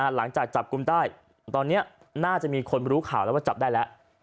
หลังจากจับกลุ่มได้ตอนนี้น่าจะมีคนรู้ข่าวแล้วว่าจับได้แล้ว